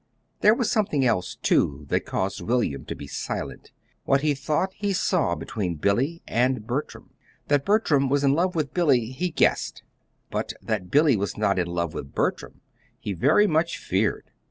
There was something else, too, that caused William to be silent what he thought he saw between Billy and Bertram. That Bertram was in love with Billy, he guessed; but that Billy was not in love with Bertram he very much feared.